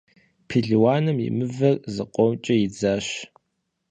Пелуаным и мывэр зыкъомкӏэ идзащ.